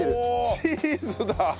チーズだ！